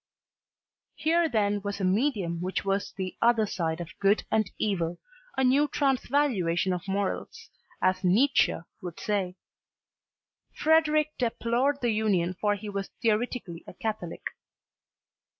Here then was a medium which was the other side of good and evil, a new transvaluation of morals, as Nietzsche would say. Frederic deplored the union for he was theoretically a Catholic.